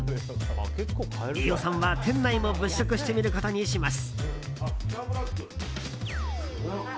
飯尾さんは店内も物色してみることにします。